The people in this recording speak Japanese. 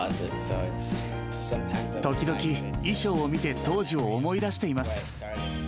時々、衣装を見て当時を思い出しています。